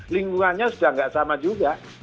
lingkungannya sudah tidak sama juga